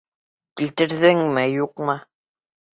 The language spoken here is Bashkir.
Килтерҙеңме, юҡмы?